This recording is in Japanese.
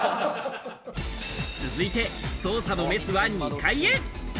続いて捜査のメスは２階へ。